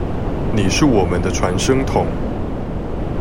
你是我們的傳聲筒